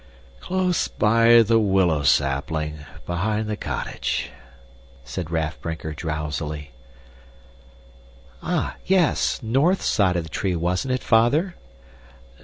"Close by the willow sapling behind the cottage," said Raff Brinker drowsily. "Ah, yes. North side of the tree, wasn't it, Father?"